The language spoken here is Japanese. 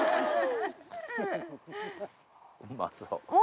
うまそう。